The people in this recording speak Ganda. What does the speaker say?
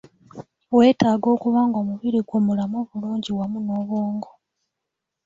Weetaaga okuba ng'omubiri gwo mulamu bulungi wamu n'obwongo.